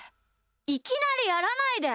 いきなりやらないで。